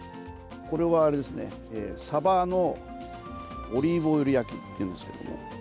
サバのオリーブオイル焼きっていうんですけども。